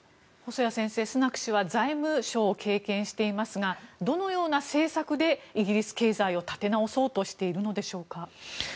細谷先生、スナク氏は財務相を経験していますがどのような政策でイギリス経済を立て直そうとしているのでしょうか。